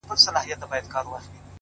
مهرباني د زړونو دروازې پرانیزي,